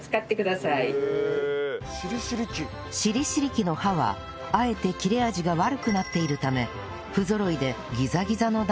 しりしり器の刃はあえて切れ味が悪くなっているため不ぞろいでギザギザの断面に